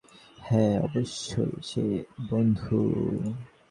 হ্যাঁ, অবশ্যই, বন্ধু।